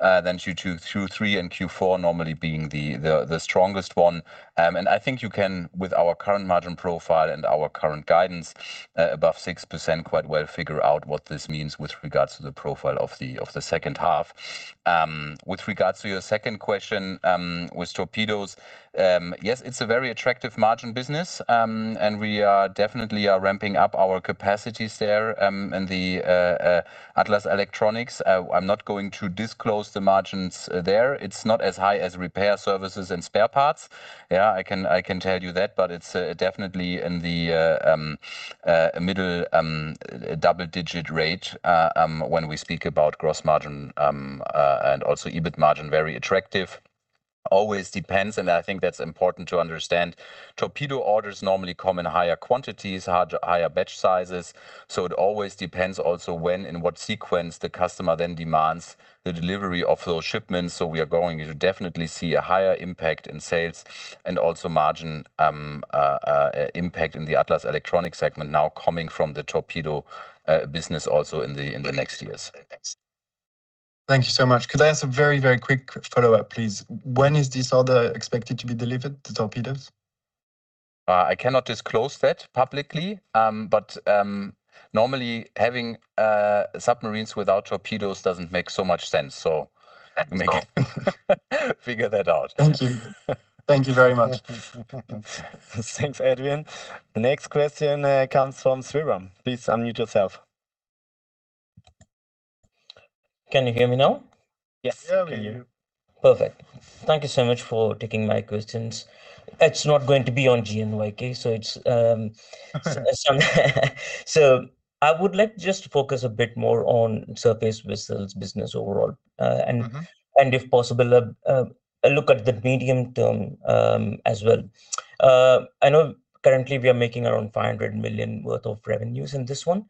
then Q2, Q3, and Q4 normally being the strongest one. I think you can, with our current margin profile and our current guidance, above 6%, quite well figure out what this means with regards to the profile of the H2. With regards to your second question, with torpedoes, yes, it's a very attractive margin business, we are definitely ramping up our capacities there in Atlas Elektronik. I'm not going to disclose the margins there. It's not as high as repair services and spare parts. I can tell you that, but it's definitely in the middle double-digit rate when we speak about gross margin and also EBIT margin, very attractive. Always depends, I think that's important to understand. Torpedo orders normally come in higher quantities, higher batch sizes, it always depends also when, in what sequence the customer then demands the delivery of those shipments. We are going to definitely see a higher impact in sales and also margin impact in the Atlas Elektronik segment now coming from the torpedo business also in the next years. Thank you so much. Could I ask a very, very quick follow-up, please? When is this order expected to be delivered, the torpedoes? I cannot disclose that publicly. Normally having submarines without torpedoes doesn't make so much sense. That's true. figure that out. Thank you. Thank you very much. Thanks, Edwin. Next question comes from Sriram. Please unmute yourself. Can you hear me now? Yes. Yeah, we hear you. Perfect. Thank you so much for taking my questions. It's not going to be on GNYK. I would like just to focus a bit more on surface vessels business overall. If possible, a look at the medium term as well. I know currently we are making around 500 million worth of revenues in this one.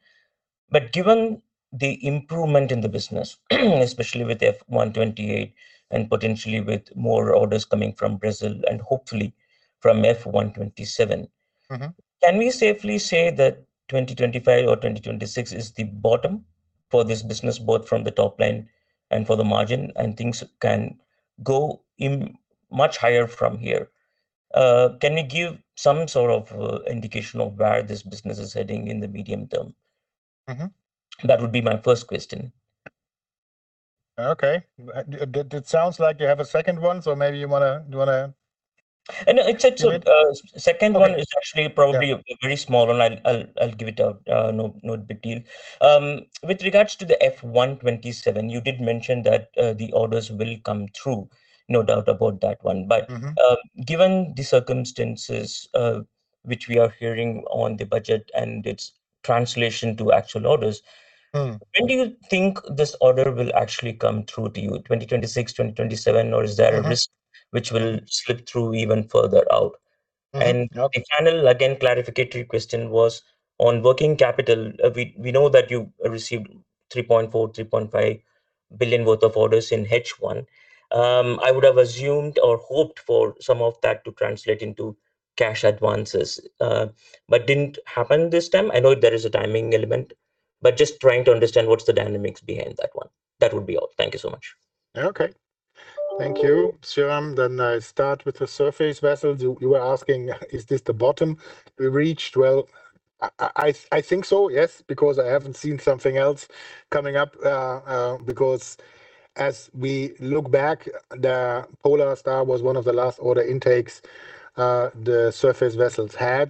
Given the improvement in the business, especially with F128 and potentially with more orders coming from Brazil and hopefully from F127. Can we safely say that 2025 or 2026 is the bottom for this business, both from the top line and for the margin, and things can go much higher from here? Can you give some sort of indication of where this business is heading in the medium term? That would be my first question. Okay. It sounds like you have a second one, so maybe you wanna. No, no, it's. Do it? Second one is. Okay actually probably a very small one. I'll give it a no big deal. With regards to the F127, you did mention that the orders will come through, no doubt about that one. Given the circumstances, which we are hearing on the budget and its translation to actual orders. When do you think this order will actually come through to you? 2026, 2027? a risk which will slip through even further out? Okay. A final, again, clarificatory question was, on working capital, we know that you received 3.4 billion-3.5 billion worth of orders in H1. I would have assumed or hoped for some of that to translate into cash advances, but didn't happen this time. I know there is a timing element, but just trying to understand what's the dynamics behind that one. That would be all. Thank you so much. Okay. Thank you, Sriram. I start with the surface vessels. You were asking, "Is this the bottom we reached?" Well, I think so, yes, because I haven't seen something else coming up. Because as we look back, the Polarstern was one of the last order intakes the surface vessels had.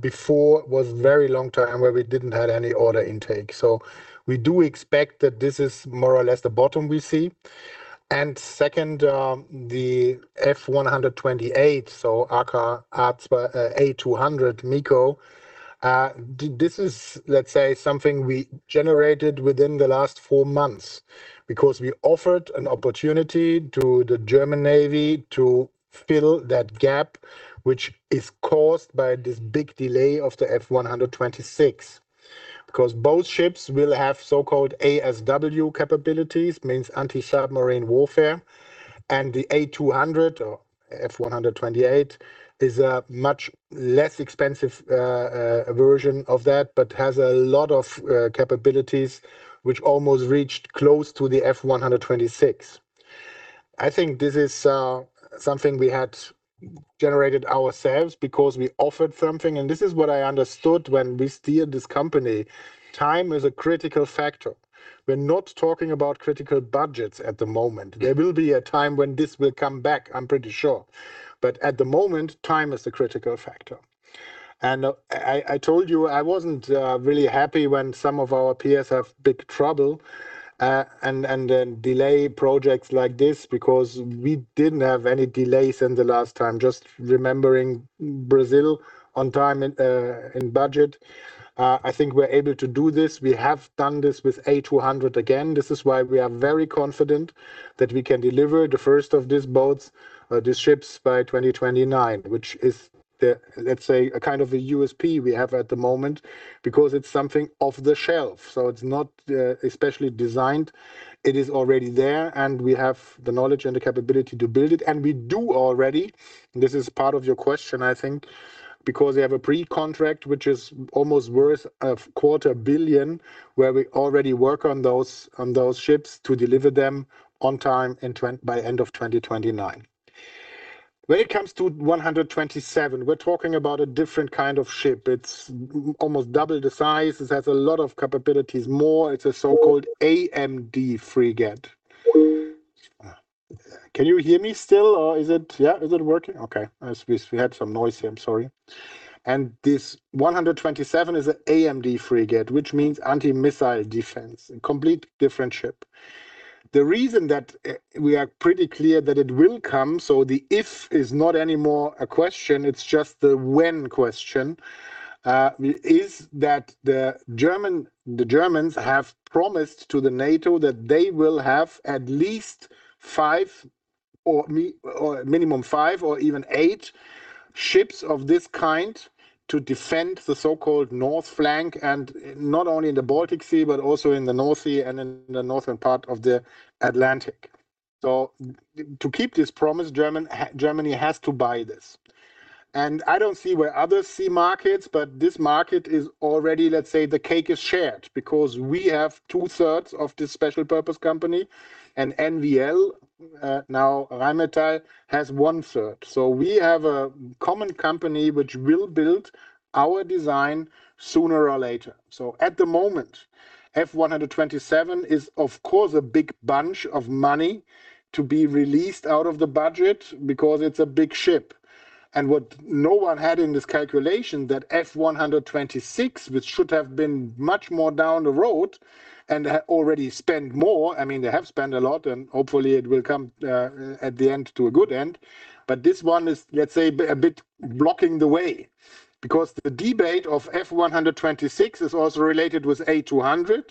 Before was very long time where we didn't have any order intake. We do expect that this is more or less the bottom we see. Second, the F-128, so aka ARZ, A-200 MEKO, this is, let's say, something we generated within the last four months because we offered an opportunity to the German Navy to fill that gap, which is caused by this big delay of the F-126. Both ships will have so-called ASW capabilities, means anti-submarine warfare, and the A-200 or F128 is a much less expensive version of that but has a lot of capabilities which almost reached close to the F-126. I think this is something we had generated ourselves because we offered something, and this is what I understood when we steered this company. Time is a critical factor. We're not talking about critical budgets at the moment. There will be a time when this will come back, I'm pretty sure. At the moment, time is the critical factor. I told you I wasn't really happy when some of our peers have big trouble and then delay projects like this because we didn't have any delays in the last time, just remembering Brazil on time and budget. I think we're able to do this. We have done this with A-200 again. This is why we are very confident that we can deliver the first of these boats, these ships by 2029, which is the, let's say, a kind of a USP we have at the moment because it's something off the shelf, so it's not especially designed. It is already there. We have the knowledge and the capability to build it. We do already. This is part of your question, I think, because we have a pre-contract which is almost worth a EUR quarter billion, where we already work on those, on those ships to deliver them on time in by end of 2029. When it comes to F127, we're talking about a different kind of ship. It's almost double the size. It has a lot of capabilities more. It's a so-called AMD frigate. Can you hear me still or is it working? Okay. As we had some noise here, I'm sorry. This F127 is an AMD frigate, which means anti-missile defense, a complete different ship. The reason that we are pretty clear that it will come, the if is not anymore a question, it's just the when question, is that the Germans have promised to NATO that they will have at least five or minimum five or even eight ships of this kind to defend the so-called north flank, and not only in the Baltic Sea, but also in the North Sea and in the northern part of the Atlantic. To keep this promise, Germany has to buy this. I don't see where others see markets, but this market is already, let's say, the cake is shared because we have 2/3 of this special purpose company, and NVL, now Rheinmetall, has 1/3. We have a common company which will build our design sooner or later. At the moment, F127 is of course a big bunch of money to be released out of the budget because it's a big ship. What no one had in this calculation, that F126, which should have been much more down the road and already spent more, I mean, they have spent a lot, and hopefully it will come at the end to a good end, but this one is, let's say, a bit blocking the way because the debate of F126 is also related with A-200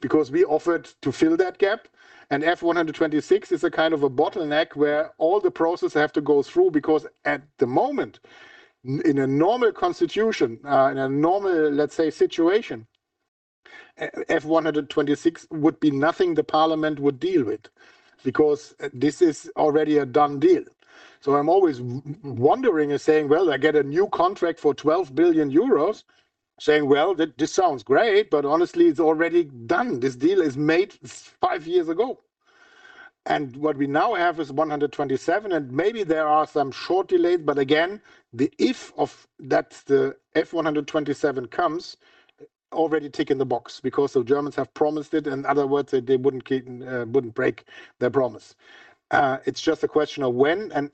because we offered to fill that gap. F-126 is a kind of a bottleneck where all the process have to go through because at the moment, in a normal constitution, in a normal, let's say, situation, F-126 would be nothing the parliament would deal with because this is already a done deal. I'm always wondering and saying, "Well, I get a new contract for 12 billion euros," saying, "Well, this sounds great, but honestly, it's already done. This deal is made five years ago." What we now have is F-127, and maybe there are some short delays, but again, the if of that the F-127 comes already tick in the box because the Germans have promised it. In other words, they wouldn't break their promise. It's just a question of when, and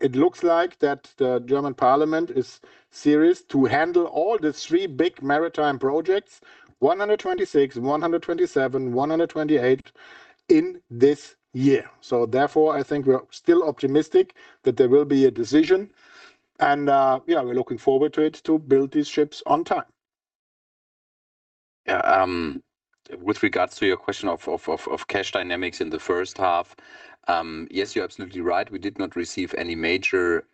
it looks like that the German Parliament is serious to handle all the three big maritime projects, 126, 127, 128, in this year. Therefore, I think we're still optimistic that there will be a decision, and, yeah, we're looking forward to it to build these ships on time. With regards to your question of cash dynamics in the H1, yes, you're absolutely right. We did not receive any major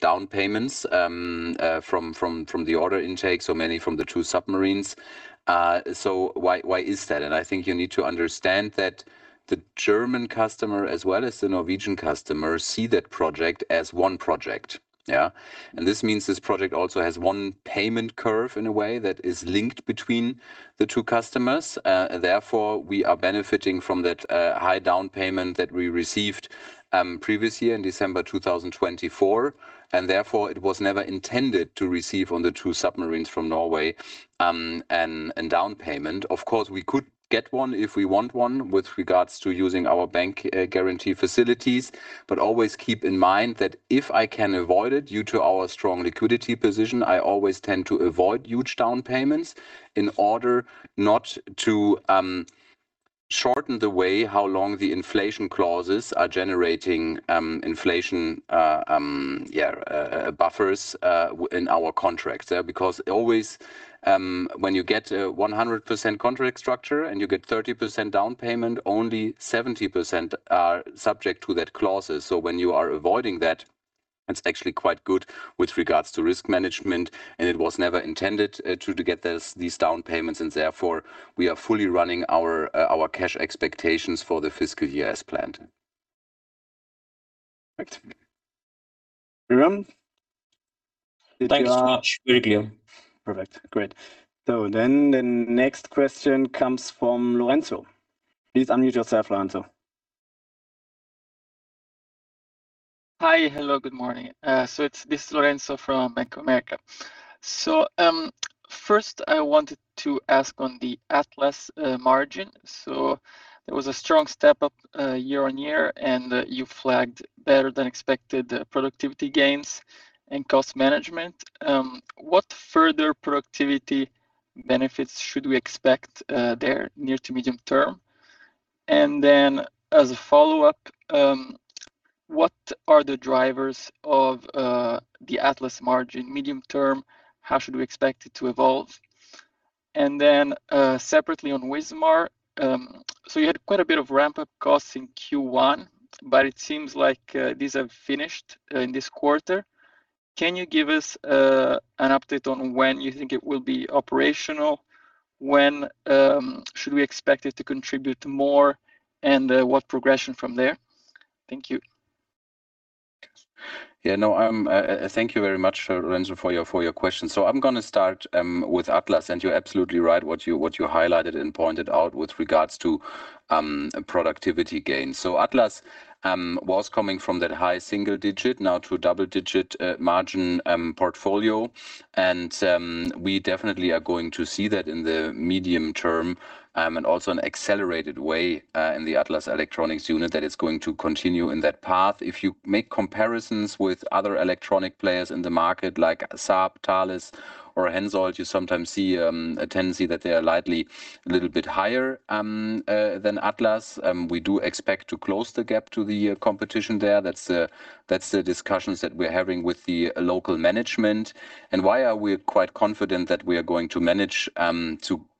down payments from the order intake, so mainly from the two submarines. Why is that? I think you need to understand that the German customer as well as the Norwegian customer see that project as one project. This means this project also has one payment curve in a way that is linked between the two customers. Therefore, we are benefiting from that high down payment that we received previous year in December 2024, and therefore it was never intended to receive on the two submarines from Norway, a down payment. Of course, we could get one if we want one with regards to using our bank guarantee facilities. Always keep in mind that if I can avoid it due to our strong liquidity position, I always tend to avoid huge down payments in order not to shorten the way how long the inflation clauses are generating inflation buffers in our contracts there. Always, when you get a 100% contract structure and you get 30% down payment, only 70% are subject to that clauses. When you are avoiding that, it's actually quite good with regards to risk management, and it was never intended to get these down payments, and therefore we are fully running our cash expectations for the fiscal year as planned. Perfect. Sriram, did you have- Thanks very much. Very clear. Perfect. Great. The next question comes from Lorenzo. Please unmute yourself, Lorenzo. Hi. Hello. Good morning. This is Lorenzo from Bank of America. First I wanted to ask on the Atlas margin. There was a strong step up year on year, and you flagged better than expected productivity gains and cost management. What further productivity benefits should we expect there near to medium term? As a follow-up, what are the drivers of the Atlas margin medium term? How should we expect it to evolve? Separately on Wismar, you had quite a bit of ramp-up costs in Q1, but it seems like these have finished in this quarter. Can you give us an update on when you think it will be operational? When should we expect it to contribute more, and what progression from there? Thank you. Thank you very much, Lorenzo, for your question. I'm gonna start with Atlas, and you're absolutely right, what you highlighted and pointed out with regards to productivity gain. Atlas was coming from that high single digit now to a double-digit margin portfolio. We definitely are going to see that in the medium term and also an accelerated way in the Atlas Elektronik unit that is going to continue in that path. If you make comparisons with other electronic players in the market like Saab, Thales, or Hensoldt, you sometimes see a tendency that they are lightly a little bit higher than Atlas. We do expect to close the gap to the competition there. That's the discussions that we're having with the local management. Why are we quite confident that we are going to manage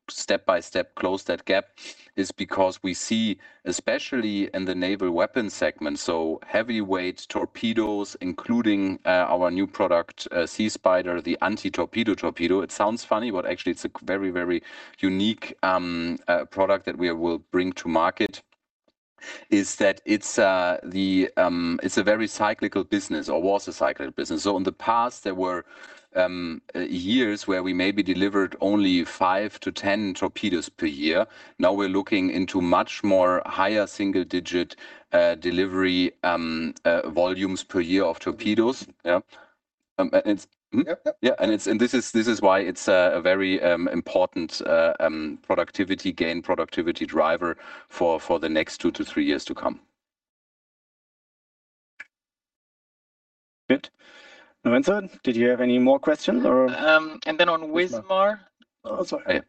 to step-by-step close that gap is because we see, especially in the naval weapons segment, so heavyweight torpedoes, including our new product, SeaSpider, the anti-torpedo torpedo. It sounds funny, but actually it's a very, very unique product that we will bring to market, is that it's the, it's a very cyclical business or was a cyclical business. In the past, there were years where we maybe delivered only 5-10 torpedoes per year. Now we're looking into much more higher single-digit delivery volumes per year of torpedoes. Yep. Yep. Yeah. This is why it's a very important productivity gain, productivity driver for the next two to three years to come. Good. Lorenzo, did you have any more questions or- Um, and then on Wismar- Oh, sorry.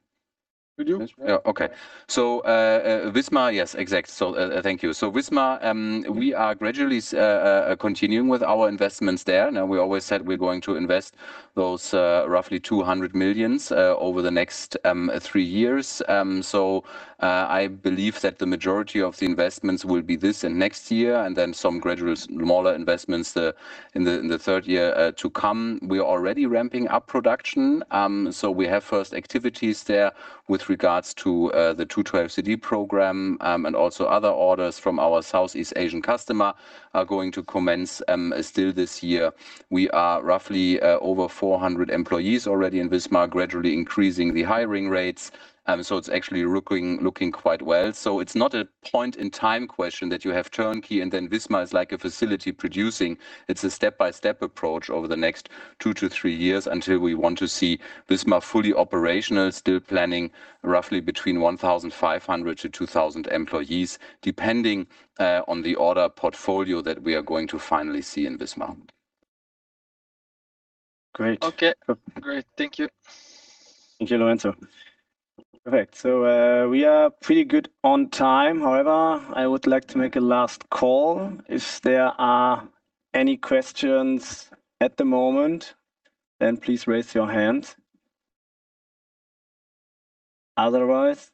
Yeah. Could you? Wismar, yes. Exactly. Thank you. Wismar, we are gradually continuing with our investments there. We always said we're going to invest those roughly 200 million over the next three years. I believe that the majority of the investments will be this and next year, and then some gradual smaller investments in the third year to come. We are already ramping up production. We have first activities there with regards to the Type 212CD program, and also other orders from our Southeast Asian customer are going to commence still this year. We are roughly over 400 employees already in Wismar, gradually increasing the hiring rates. It's actually looking quite well. It's not a point in time question that you have turnkey, and then Wismar is like a facility producing. It's a step-by-step approach over the next two to three years until we want to see Wismar fully operational, still planning roughly between 1,500-2,000 employees, depending on the order portfolio that we are going to finally see in Wismar. Great. Okay. So- Great. Thank you. Thank you, Lorenzo. Perfect. We are pretty good on time. However, I would like to make a last call. If there are any questions at the moment, then please raise your hand. Otherwise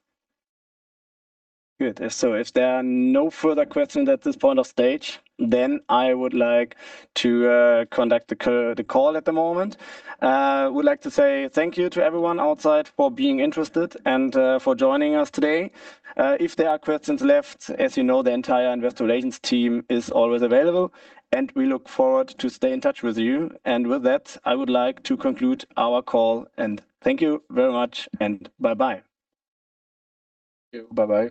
Good. If there are no further questions at this point of stage, then I would like to conduct the call at the moment. I would like to say thank you to everyone outside for being interested and for joining us today. If there are questions left, as you know, the entire investor relations team is always available, and we look forward to stay in touch with you. With that, I would like to conclude our call, and thank you very much, and bye-bye. Thank you. Bye-bye.